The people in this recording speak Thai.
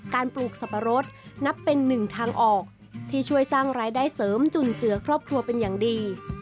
ปลูกสับปะรดนับเป็นหนึ่งทางออกที่ช่วยสร้างรายได้เสริมจุนเจือครอบครัวเป็นอย่างดี